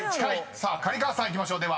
さあ刈川さんいきましょう。